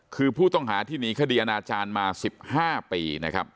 คือผู้ต้องหาที่หนีคดีอนาจารย์มา๑๕ปีนะครับ